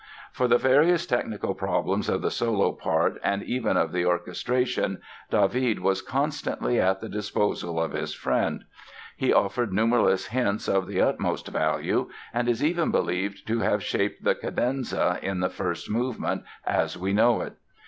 For the various technical problems of the solo part and even of the orchestration David was constantly at the disposal of his friend. He offered numberless hints of the utmost value and is even believed to have shaped the cadenza in the first movement as we know it.